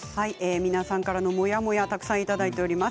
皆さんからのモヤモヤたくさんいただいております。